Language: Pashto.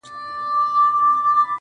لويه گناه~